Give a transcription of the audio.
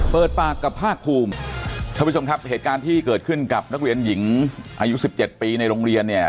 เปิดปากกับภาคภูมิท่านผู้ชมครับเหตุการณ์ที่เกิดขึ้นกับนักเรียนหญิงอายุสิบเจ็ดปีในโรงเรียนเนี่ย